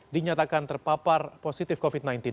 dinyatakan terpapar positif covid sembilan belas